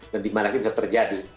dan dimana ini bisa terjadi